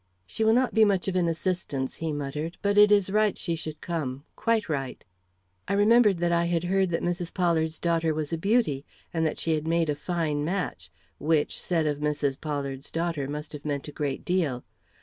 "She will not be much of an assistance," he muttered. "But it is right she should come quite right." I remembered that I had heard that Mrs. Pollard's daughter was a beauty, and that she had made a fine match; which, said of Mrs. Pollard's daughter, must have meant a great deal.